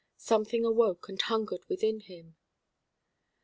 Something awoke and hungered within him.